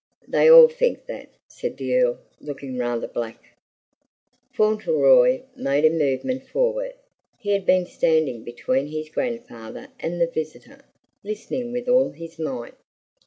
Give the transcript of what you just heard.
"They all think that," said the Earl, looking rather black. Fauntleroy made a movement forward. He had been standing between his grandfather and the visitor, listening with all his might.